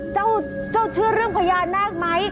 เจ้าเชื่อเรื่องพญานาคไหม